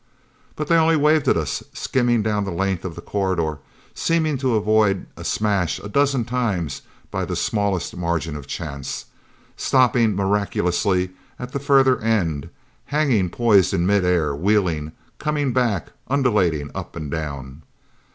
But they only waved at us, skimming down the length of the corridor, seeming to avoid a smash a dozen times by the smallest margin of chance, stopping miraculously at the further end, hanging poised in mid air, wheeling, coming back, undulating up and down.